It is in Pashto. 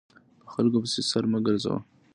په خلکو پسې سر مه ګرځوه !